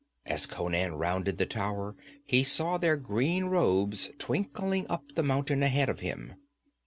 As Conan rounded the tower he saw their green robes twinkling up the mountain ahead of him.